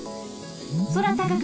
そらたかく